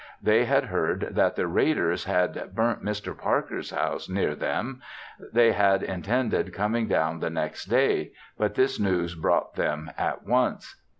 They had heard that the raiders had burnt Mr. Parker's house near them; they had intended coming down the next day, but this news brought them at once.